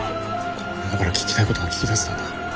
この女から聞きたいことは聞き出せたんだ。